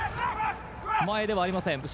前ではありません。